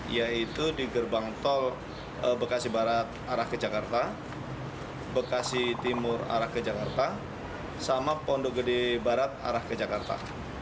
yaitu di gerbang tol bekasi barat arah ke jakarta bekasi timur arah ke jakarta sama pondok gede barat arah ke jakarta